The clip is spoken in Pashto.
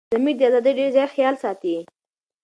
دضمير دازادي ډير زيات خيال ساتي